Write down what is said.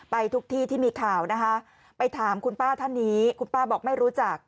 ไปทุกที่ที่มีข่าวนะคะไปถามคุณป้าท่านนี้คุณป้าบอกไม่รู้จัก